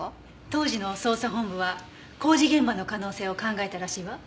当時の捜査本部は工事現場の可能性を考えたらしいわ。